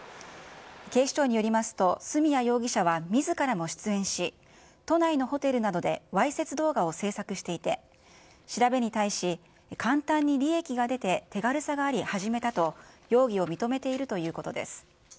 警視庁によりますと、角谷容疑者はみずからも出演し、都内のホテルなどでわいせつ動画を制作していて、調べに対し、簡単に利益が出て、手軽さがあり、始めたと、容疑を認めているということです。